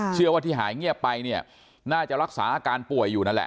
เชื่อว่าที่หายเงียบไปเนี่ยน่าจะรักษาอาการป่วยอยู่นั่นแหละ